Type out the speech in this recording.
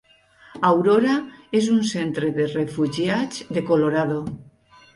Aurora és un centre de refugiats de Colorado.